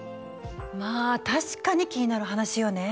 まあ確かに気になる話よね。